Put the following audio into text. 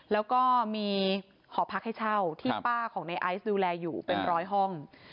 แล้วก็มีหอพักให้เช่าที่ป้าของในไอซ์ดูแลอยู่เป็นร้อยห้อง